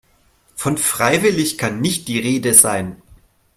Von freiwillig kann nicht die Rede sein.